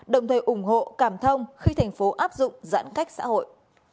đồng thời ủng hộ cảm thông khi tp hcm áp dụng giãn cách xã hội